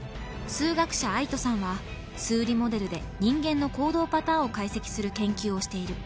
数学者 ＡＩＴＯ さんは数理モデルで人間の行動パターンを解析する研究をしている